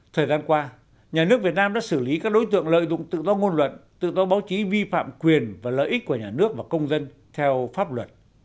thời gian qua nhà nước việt nam đã xử lý các đối tượng lợi dụng tự do ngôn luận tự do báo chí vi phạm quyền và lợi ích của nhà nước và công dân theo pháp luật